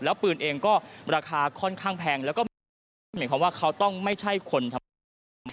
แล้วปืนเองก็ราคาค่อนข้างแพงแล้วก็ไม่เห็นความว่าเขาต้องไม่ใช่คนทำงาน